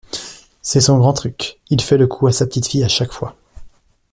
c’est son grand truc, il fait le coup à sa petite-fille à chaque fois